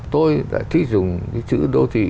tôi thích dùng cái chữ đô thị